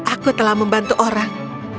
aku telah membantu orang